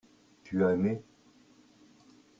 tu as aimé.